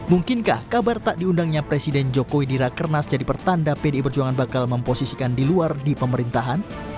mungkinkah kabar tak diundangnya presiden jokowi di rakernas jadi pertanda pdi perjuangan bakal memposisikan di luar di pemerintahan